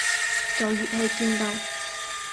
就越係見到